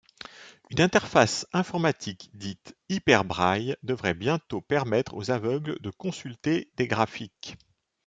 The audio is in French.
Une interface informatique dite Hyperbraille devrait bientôt permettre aux aveugles de consulter des graphiques.